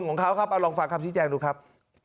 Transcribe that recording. ของเขาครับเราลองฝากที่แจงนะครับ